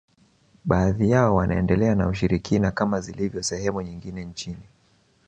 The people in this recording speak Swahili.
Baadhi yao wanaendelea na ushirikina kama zilivyo sehemu nyingine nchini